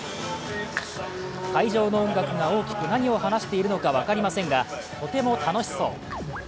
会場の音楽が大きく何を話しているのか分かりませんがとても楽しそう。